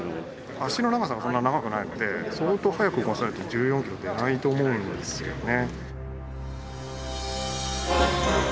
足の長さがそんな長くないので相当速く動かさないと１４キロ出ないと思うんですよね。